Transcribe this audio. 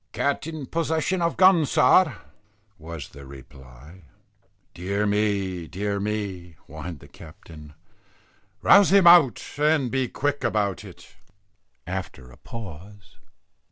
"Cat in possession of gun, sir," was the reply. "Dear me! dear me!" whined the captain. "Rouse him out, and be quick about it." After a pause.